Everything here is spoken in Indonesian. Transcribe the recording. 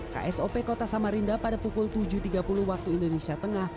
ksop kota samarinda pada pukul tujuh tiga puluh waktu indonesia tengah